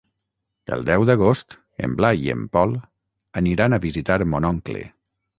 El deu d'agost en Blai i en Pol aniran a visitar mon oncle.